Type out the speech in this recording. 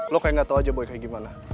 lo kayak gak tau aja gue kayak gimana